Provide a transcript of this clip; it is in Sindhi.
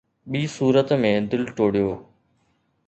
ٻي صورت ۾، دل ٽوڙيو